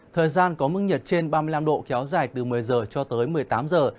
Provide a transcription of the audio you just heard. thời gian có mức nhiệt trên ba mươi năm độ kéo dài từ một mươi giờ cho tới một mươi tám giờ